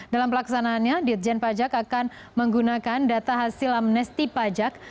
dalam pelaksanaannya ditjen pajak akan menggunakan data hasil amnesti pajak